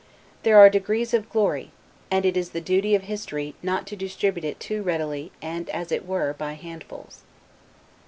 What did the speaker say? There are degrees of glory, and it is the duty of history not to distribute it too readily and as it were by handfuls.